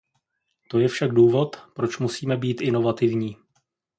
To je však důvod, proč musíme být inovativní.